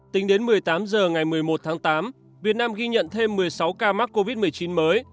tính đến một mươi tám h ngày một mươi một tháng tám việt nam ghi nhận thêm một mươi sáu ca mắc covid một mươi chín mới